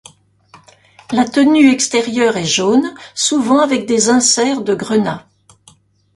La tenue extérieures est jaune, souvent avec des inserts de grenat.